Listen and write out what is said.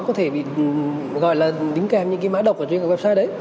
nó có thể bị gọi là đính kèm những cái mã độc ở trên các website đấy